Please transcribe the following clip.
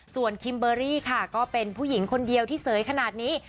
ส่วนคิมเบอร์รี่ค่ะก็เป็นผู้หญิงคนเดียวที่เสยขนาดนี้